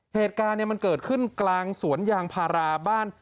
เหตุการณ์มันเกิดขึ้นกลางสวนยางพาราบ้าน